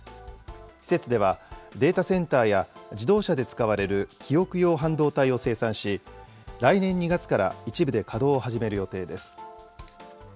施設では、データセンターや自動車で使われる記憶用半導体を生産し、来年２月から一部で稼働を始める予定です。